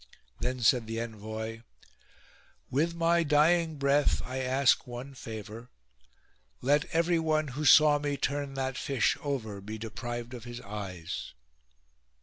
Then said the envoy :" With my dying breath I ask one &vour ; let everj'one who saw me turn that fish over III DUKE HUGO be deprived of his eyes."